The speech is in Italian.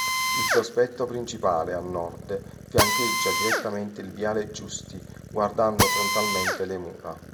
Il prospetto principale, a nord, fiancheggia direttamente il viale Giusti guardando frontalmente le mura.